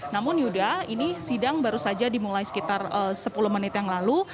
namun yuda ini sidang baru saja dimulai sekitar sepuluh menit yang lalu